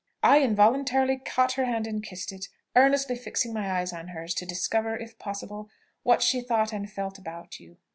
I involuntarily caught her hand and kissed it, earnestly fixing my eyes on hers, to discover, if possible, what she thought and felt about you.